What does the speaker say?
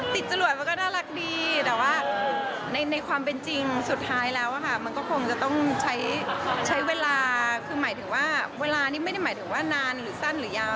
จรวดมันก็น่ารักดีแต่ว่าในความเป็นจริงสุดท้ายแล้วค่ะมันก็คงจะต้องใช้เวลาคือหมายถึงว่าเวลานี้ไม่ได้หมายถึงว่านานหรือสั้นหรือยาว